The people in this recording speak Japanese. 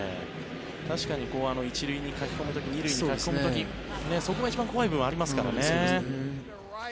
確かに１塁に駆け込む時２塁に駆け込む時そこが一番怖い部分がありますからね。